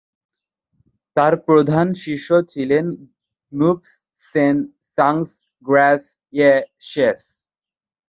তার প্রধান শিষ্য ছিলেন গ্নুব্স-ছেন-সাংস-র্গ্যাস-য়ে-শেস।